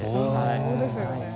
そうですよね。